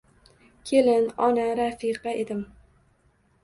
Kelin, ona, rafiqa edim